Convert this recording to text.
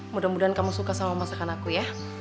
mudah mudahan kamu suka sama masakan aku ya